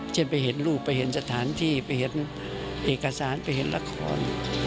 เช่นไปเห็นรูปไปเห็นสถานที่ไปเห็นเอกสารไปเห็นละคร